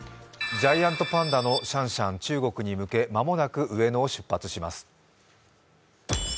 ジャイアントパンダのシャンシャン、中国に向け間もなく上野を出発します。